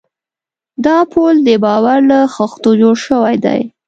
دا پُل د باور له خښتو جوړ شوی دی.